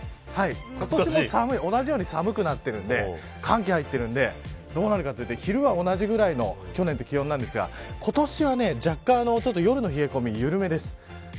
今年も同じように寒くなっているのでどうなるかというと昼は同じぐらいの気温なんですが今年は若干夜の冷え込み緩めです。